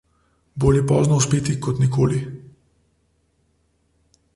Bolje pozno uspeti kot nikoli.